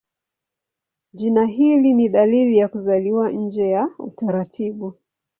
Jina hili ni dalili ya kuzaliwa nje ya utaratibu.